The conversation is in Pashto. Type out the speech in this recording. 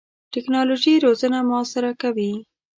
ټکنالوژي روزنه موثره کوي.